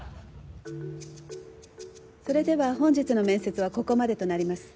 それでは本日の面接はここまでとなります。